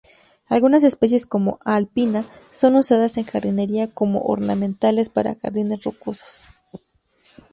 Algunas especies, como "A. alpina", son usadas en jardinería como ornamentales para jardines rocosos.